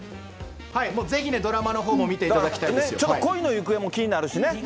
ぜひね、ドラマのほうも見ていた恋の行方も気になるしね。